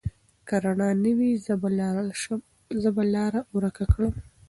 که رڼا نه وي، زه به لاره ورکه کړم.